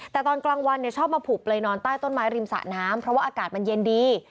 แต่ตอนกลางวันชอบมาผูกเลยนอนใต้ต้นไม้ริมสะน้ำเพราะว่าอากาศมันเย็นดี